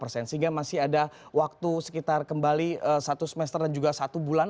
sehingga masih ada waktu sekitar kembali satu semester dan juga satu bulan